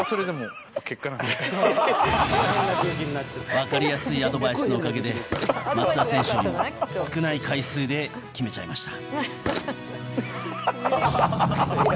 分かりやすいアドバイスのおかげで松田選手よりも少ない回数で決めちゃいました。